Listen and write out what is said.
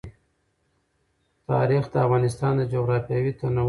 تاریخ د افغانستان د جغرافیوي تنوع مثال دی.